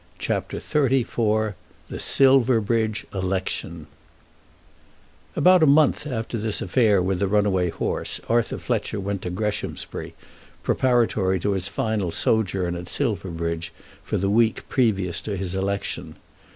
CHAPTER XXXIV The Silverbridge Election About a month after this affair with the runaway horse Arthur Fletcher went to Greshamsbury, preparatory to his final sojourn at Silverbridge for the week previous to his election.